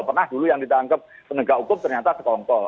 pernah dulu yang ditangkap penegak hukum ternyata sekongkol